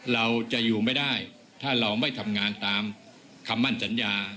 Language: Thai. เราจะอยู่ไม่ได้ถ้าเราไม่ทำงานตามคำมั่นสัญญา